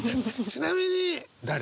ちなみに誰？